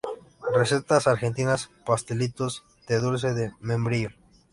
Recetas Argentinas- Pastelitos de Dulce de Membrillo